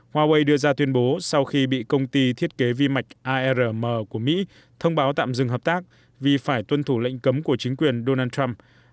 huawei đưa ra tuyên bố sau khi bị công ty thiết kế vi mạch arm của mỹ thông báo tạm dừng hợp tác vì phải tuân thủ lệnh cấm của chính quyền donald trump